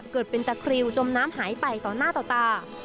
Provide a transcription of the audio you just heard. เกิดเป็นตะคริวจมน้ำหายไปต่อหน้าต่อตา